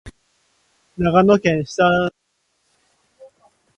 長野県下條村